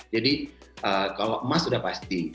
jadi kalau emas sudah pasti